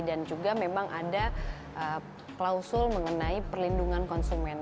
dan juga memang ada klausul mengenai perlindungan konsumen